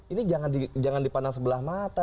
ini jangan dipandang sebelah mata